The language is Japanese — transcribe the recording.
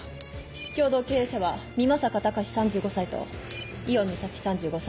共同経営者は美作孝３５歳と伊予みさき３５歳。